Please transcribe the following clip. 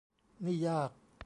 นี่ยาก